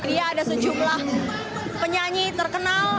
iya ada sejumlah penyanyi terkenal